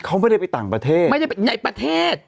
เขาไม่ได้ไปต่างประเทศไม่ได้ไปในประเทศ